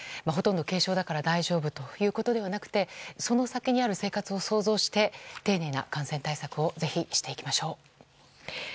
ほとんど軽症だから大丈夫ということではなくてその先にある生活を想像して丁寧な感染対策をぜひしていきましょう。